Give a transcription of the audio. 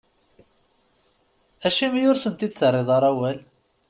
Acimi ur asent-d-terriḍ ara awal?